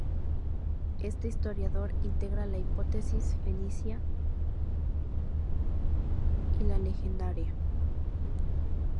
Este historiador integra la hipótesis fenicia y la legendaria.